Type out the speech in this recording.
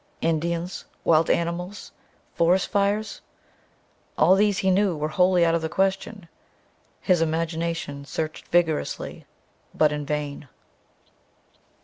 Indians, wild animals, forest fires all these, he knew, were wholly out of the question. His imagination searched vigorously, but in vain....